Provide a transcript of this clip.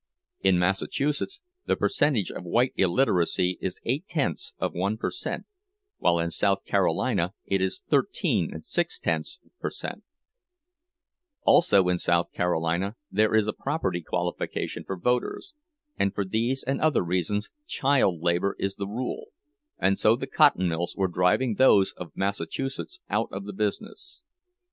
In Massachusetts the percentage of white illiteracy is eight tenths of one per cent, while in South Carolina it is thirteen and six tenths per cent; also in South Carolina there is a property qualification for voters—and for these and other reasons child labor is the rule, and so the cotton mills were driving those of Massachusetts out of the business.